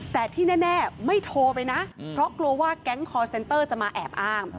แต่ที่แน่ไม่โทรไปนะเพราะกลัวว่าแก๊งคอร์เซนเตอร์จะมาแอบอ้าง